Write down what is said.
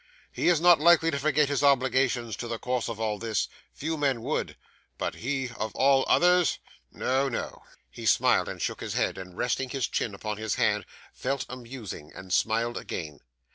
He is not likely to forget his obligations to the cause of all this. Few men would; but he of all others? No, no!' He smiled and shook his head, and resting his chin upon his hand, fell a musing, and smiled again.